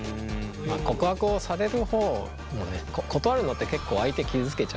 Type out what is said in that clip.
告白をされる方もね断るのって結構相手傷つけちゃう。